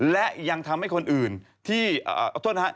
และยังทำให้คนอื่นที่อ่าอบทนฮะ